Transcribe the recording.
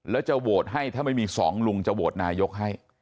แล้วจะโหวตให้ถ้าไม่มีสองลุงจะโหวตนายกให้